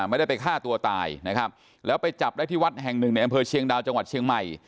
ไม่ได้ไปฆ่าตัวตายนะครับแล้วไปจับได้ที่วัดแห่งหนึ่งในอำเภอเชียงดาวจังหวัดเชียงใหม่